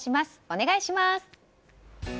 お願いします。